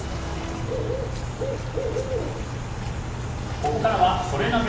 ここからはソレなぜ？